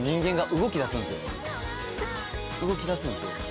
動きだすんですよ